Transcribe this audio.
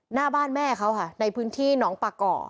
หน้าบ้านแม่เขาค่ะในพื้นที่หนองปาก่อ